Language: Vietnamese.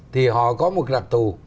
thì họ có một rạch thù